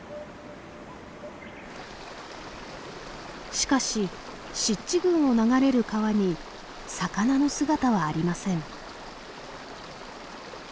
しかし湿地群を流れる川に魚の姿はありません。